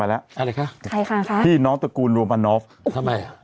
อะไรคะทิน้องตระกูลลูมานอฟท์